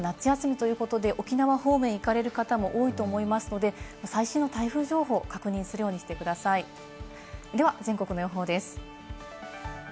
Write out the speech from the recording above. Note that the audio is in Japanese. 夏休みということで沖縄方面へ行かれる方も多いと思いますので、最新の台風情報を確認するようにしてください。では全国の予報です。